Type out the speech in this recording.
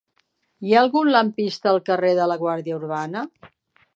Hi ha algun lampista al carrer de la Guàrdia Urbana?